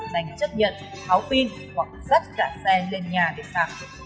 dành chấp nhận tháo pin hoặc dắt cả xe lên nhà để sạc